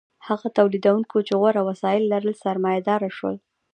هغو تولیدونکو چې غوره وسایل لرل سرمایه دار شول.